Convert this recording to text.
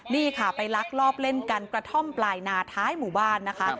นี่ค่ะไปลักลอบเล่นกันกระท่อมปลายนาท้ายหมู่บ้านนะคะ